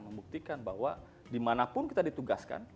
membuktikan bahwa dimanapun kita ditugaskan